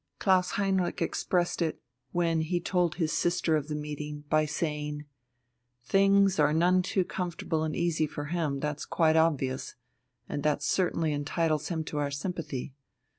Klaus Heinrich expressed it, when he told his sister of the meeting, by saying: "Things are none too comfortable and easy for him, that's quite obvious, and that certainly entitles him to our sympathy.